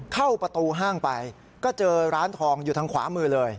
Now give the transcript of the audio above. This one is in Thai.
เข้าประตูห้างไปก็เจอร้านทองอยู่ทางขวามือเลย